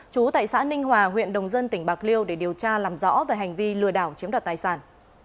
chú tại xã ninh hòa huyện đồng dân tỉnh bạc liêu để điều tra làm rõ về hành vi lừa đảo chiếm đoạt tài sản